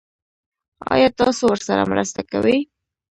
ایا تاسو ورسره مرسته کوئ؟